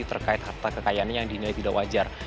terkait harta kekayaannya yang dinilai tidak wajar